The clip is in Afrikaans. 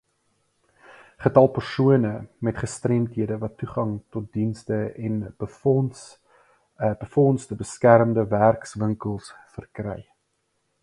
Getal persone met gestremdhede wat toegang tot dienste in befondsde beskermde werkswinkels verkry.